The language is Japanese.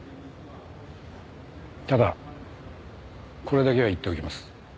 ただこれだけは言っておきます。